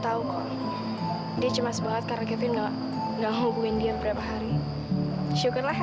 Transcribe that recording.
aku mau ke rumahnya